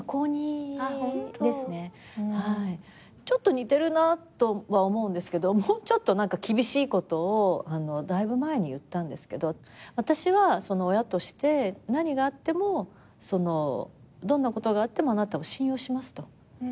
ちょっと似てるなとは思うんですけどもうちょっと厳しいことをだいぶ前に言ったんですけど私は親として何があってもどんなことがあってもあなたを信用しますと。